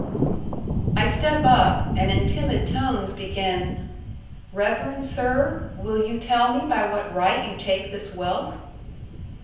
I step up, and in timid tones begin, "Reverend sir, will you tell me by what right you take this wealth?"